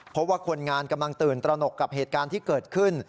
เพราะว่าคนงานกำลังตื่นตระหนกกับเหตุการณ์ที่เกิดขึ้น